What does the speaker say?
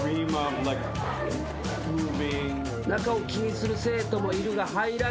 中を気にする生徒もいるが入らない。